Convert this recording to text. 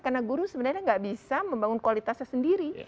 karena guru sebenarnya nggak bisa membangun kualitasnya sendiri